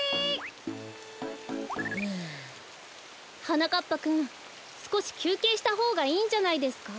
はなかっぱくんすこしきゅうけいしたほうがいいんじゃないですか？